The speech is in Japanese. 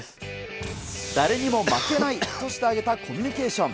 誰にも負けないとして挙げたコミュニケーション。